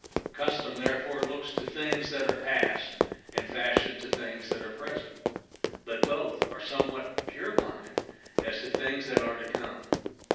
Custom, therefore, looks to things that are past, and fashion to things that are present; but both are somewhat purblind as to things that are to come.